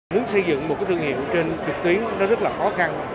nếu xây dựng một cái thương hiệu trên trực tuyến nó rất là khó khăn